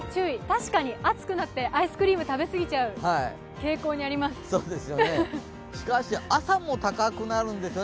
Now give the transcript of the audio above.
確かに、暑くなってアイスクリーム食べ過ぎちゃう傾向にあります。